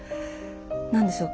何でしょう